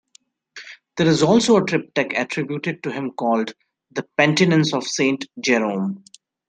There is also a triptych attributed to him called "The Penitence of Saint Jerome".